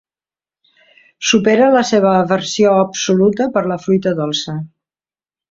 Supera la seva aversió absoluta per la fruita dolça.